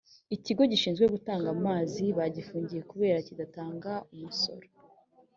ikigo gishizwe gutanga amazi bagifungiye kubera kidatanga umusoro